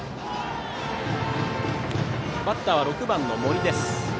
バッターは６番の森です。